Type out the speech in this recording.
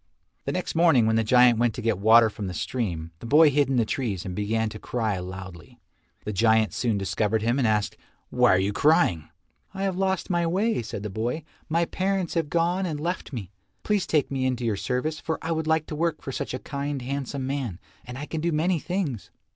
The next morning when the giant went to get water from the stream, the boy hid in the trees and began to cry loudly. The giant soon discovered him and asked, "Why are you crying?" "I have lost my way," said the boy, "my parents have gone and left me. Please take me into your service, for I would like to work for such a kind handsome man, and I can do many things."